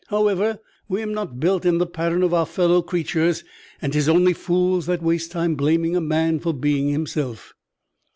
However, we'm not built in the pattern of our fellow creatures, and 'tis only fools that waste time blaming a man for being himself.